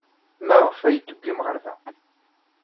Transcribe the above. Maɣef ay iyi-d-tewwim ɣer da?